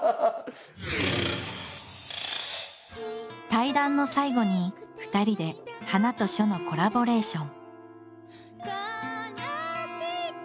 対談の最後に２人で花と書のコラボレーション。